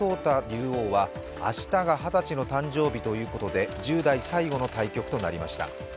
竜王は明日が二十歳の誕生日ということで１０代最後の対局となりました。